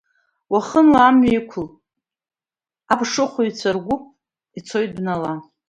Уахынлан, амҩа иқәылт аԥшхәыҩ цәа ргәыԥ, ицоит бнала.